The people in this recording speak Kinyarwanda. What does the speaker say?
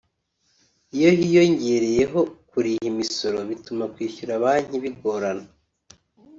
Iyo hiyongereyeho kuriha imisoro bituma kwishyura banki bigorana